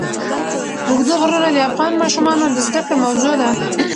اوږده غرونه د افغان ماشومانو د زده کړې موضوع ده.